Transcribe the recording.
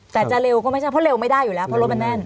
แต่จะเร็วก็ไม่ใช่เพราะเร็วไม่ได้อยู่แล้วเพราะรถมันแน่น